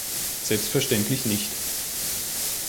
Selbstverständlich nicht.